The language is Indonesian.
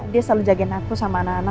dia selalu jagain aku sama nana